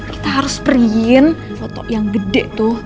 kita harus perihin foto yang gede tuh